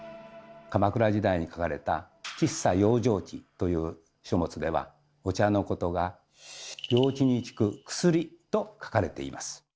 鎌倉時代に書かれた「喫茶養生記」という書物ではお茶のことが病気に効く薬と書かれています。